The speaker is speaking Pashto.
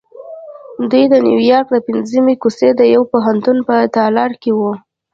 دوی د نیویارک د پنځمې کوڅې د یوه پوهنتون په تالار کې وو